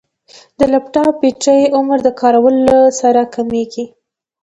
د لپټاپ بیټرۍ عمر د کارولو سره کمېږي.